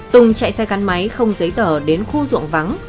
tùng chạy xe gắn máy không giấy tờ đến khu ruộng vắng